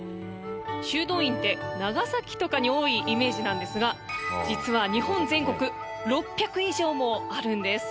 修道院って長崎とかに多いイメージなんですが実は日本全国６００以上もあるんです。